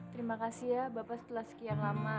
terima kasih ya bapak setelah sekian lama